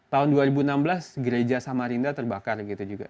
tahun dua ribu enam belas gereja samarinda terbakar gitu juga